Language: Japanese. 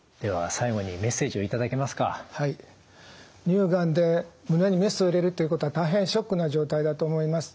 乳がんで胸にメスを入れるということは大変ショックな状態だと思います。